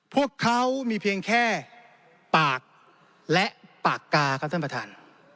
พวกเขามีเพียงแค่ปากและปากกาครับท่านประธาน